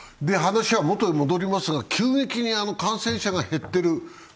話は元へ戻りますが、急激に感染者が減っている。